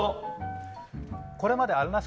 これまであるなし